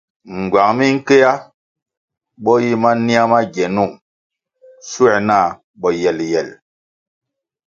Ngywang minkéah bo yi mania ma gienon schuer na boyeyel.